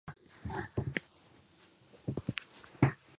これはどうも尤もだ